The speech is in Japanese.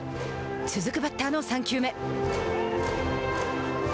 続くバッターの３球目。